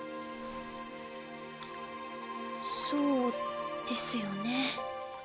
そうですよね。